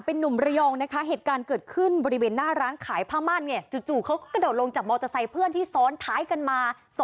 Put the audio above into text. ลองดูหน่อยค่ะ